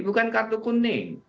bukan kartu kuning